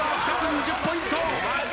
２０ポイント。